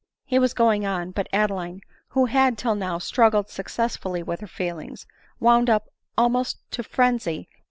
He was going on ; but Adeline, who had till now struggled successfully with her feelings, wound up almost to frenzy at ADELINE MOWBRAY.